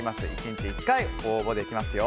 １日１回応募できますよ。